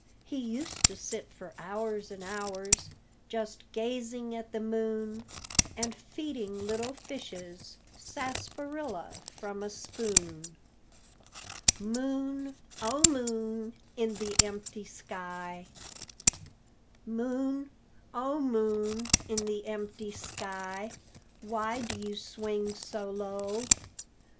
He used to sit for hours and hours Just gazing at the moon, And feeding little fishes Sarsaparilla from a spoon. MOON, O MOON IN THE EMPTY SKY Moon, O Moon in the empty sky, Why do you swing so low?